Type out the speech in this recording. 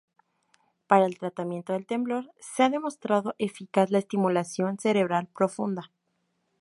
Para el tratamiento del temblor se ha demostrado eficaz la estimulación cerebral profunda.